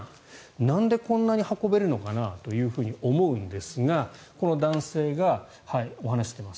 なんで、こんなに運べるのかなと思うんですがこの男性がお話しています。